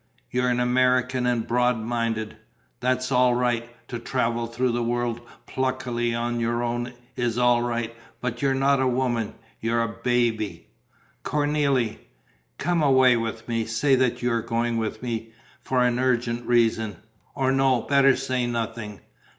You're an American and broad minded: that's all right; to travel through the world pluckily on your own is all right; but you're not a woman, you're a baby!" "Cornélie...." "Come away with me; say that you're going with me ... for an urgent reason. Or no ... better say nothing.